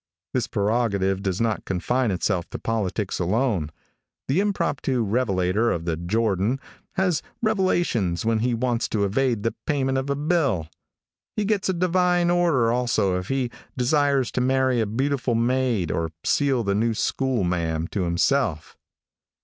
This prerogative does not confine itself to politics alone. The impromptu revelator of the Jordan has revelations when he wants to evade the payment of a bill. He gets a divine order also if he desires to marry a beautiful maid or seal the new school ma'am to himself.